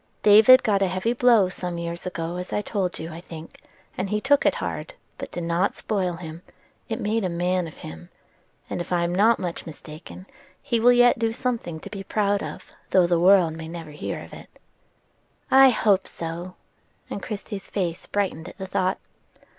David got a heavy blow some years ago as I told you, I think; and he took it hard, but it did not spoil him: it made a man of him; and, if I am not much mistaken, he will yet do something to be proud of, though the world may never hear of it." "I hope so!" and Christie's face brightened at the thought.